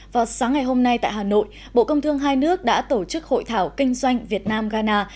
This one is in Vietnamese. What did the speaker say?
vào sáng ngày hôm nay tại hà nội bộ công thương hai nước đã tổ chức hội thảo kinh doanh việt nam ghana